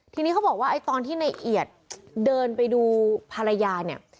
ทีนี้เขาบอกว่าไอ้ตอนที่ในเอียดเดินไปดูภรรยาเนี่ย